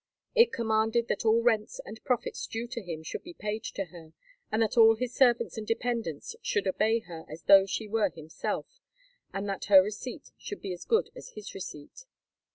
It commanded that all rents and profits due to him should be paid to her, and that all his servants and dependants should obey her as though she were himself, and that her receipt should be as good as his receipt.